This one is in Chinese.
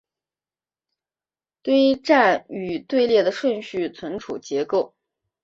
堆栈与队列的顺序存储结构